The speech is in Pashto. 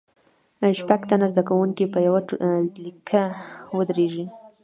شپږ تنه زده کوونکي په یوه لیکه ودریږئ.